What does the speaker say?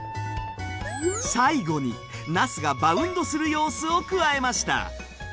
最後になすがバウンドする様子を加えました。